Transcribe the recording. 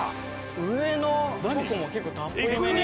上のチョコも結構たっぷりめに。